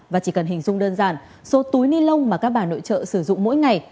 và chỉ cần hình dung đơn giản số túi ni lông mà các bà nội trợ sử dụng mỗi ngày